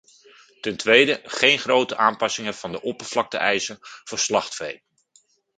Ten tweede, geen grote aanpassingen van de oppervlakte-eisen voor slachtvee.